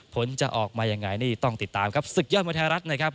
ผลจะออกมายังไงนี่ต้องติดตามครับศึกยอดมวยไทยรัฐนะครับ